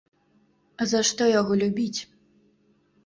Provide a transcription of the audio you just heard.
А за што яго любіць?